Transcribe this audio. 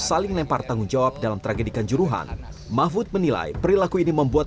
saling lempar tanggung jawab dalam tragedikan juruhan mahfud menilai perilaku ini membuat